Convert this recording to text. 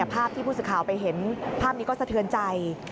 ภาพที่ผู้สื่อข่าวไปเห็นภาพนี้ก็สะเทือนใจ